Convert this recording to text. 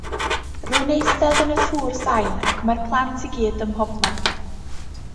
Rwy'n eistedd yn y twr sain ac mae'r plant i gyd ym mhobman.